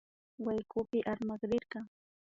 Waykupi armakrirka